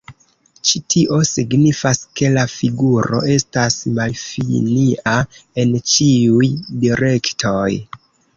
Ĉi tio signifas ke la figuro estas malfinia en ĉiuj direktoj.